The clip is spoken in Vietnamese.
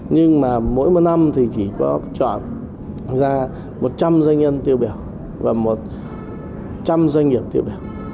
nhưng mà mỗi một năm thì chỉ có chọn ra một trăm linh doanh nhân tiêu biểu và một trăm linh doanh nghiệp tiêu biểu